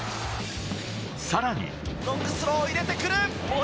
さらに。